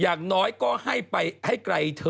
อย่างนี้ไง